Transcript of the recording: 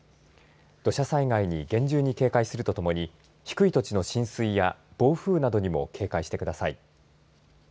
土砂災害に厳重に警戒するとともに低い土地の浸水や暴風にも警戒してください。